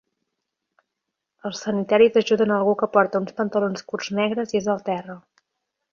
Els sanitaris ajuden algú que porta uns pantalons curts negres i és al terra.